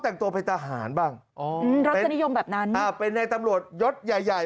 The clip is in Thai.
แต่งตัวเป็นทหารบ้างรัฐนิยมแบบนั้นเป็นในตำรวจยศใหญ่